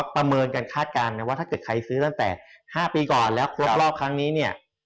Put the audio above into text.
ประเมินการคาดการณ์นะว่าถ้าเกิดใครซื้อตั้งแต่๕ปีก่อนแล้วครบรอบครั้งนี้เนี่ย